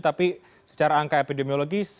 tapi secara angka epidemiologis